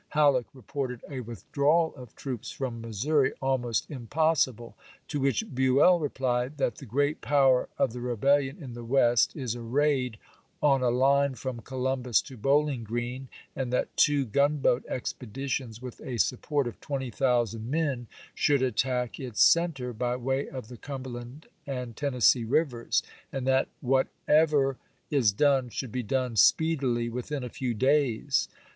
Halleck reported a withdrawal of troops from Missouri " almost impossible "; to which Buell replied that "the great power of the 102 ABRAHAM LINCOLN CHAP. VI. rebellion in the West is arrayed " on a line from Columbns to Bowling Green, and that two gun boat expeditions with a support of twenty thousand HaTK men should attack its center by way of the Cum jau^ 3. m2. j^gj.^^jj^ ^j^^ Tennessee rivers, and that " whatever pp. 528. 529. is done should be done speedily, within a few days."